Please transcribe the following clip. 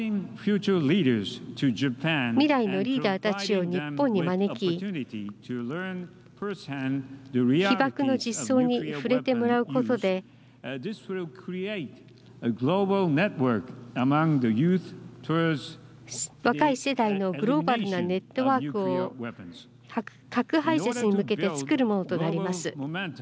未来のリーダーたちを日本に招き被爆の実相に触れてもらうことで若い世代のグローバルなネットワークを核廃絶に向けてつくるものとなります。